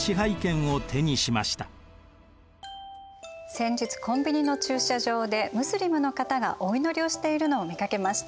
先日コンビニの駐車場でムスリムの方がお祈りをしているのを見かけました。